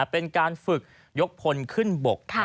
เป็นการฝึกยกพลขึ้นบก